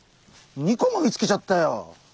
２個も見つけちゃったよ。